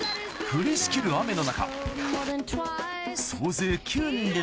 降りしきる雨の中うわ。